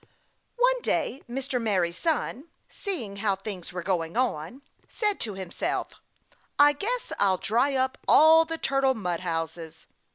One day Mr. Merry Sun, seeing how things were going on, said to himself: "I guess I'll dry up all the Turtle Mud Houses."